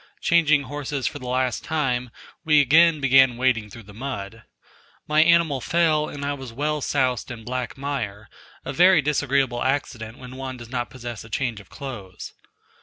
Changing horses for the last time, we again began wading through the mud. My animal fell and I was well soused in black mire a very disagreeable accident when one does not possess a change of clothes.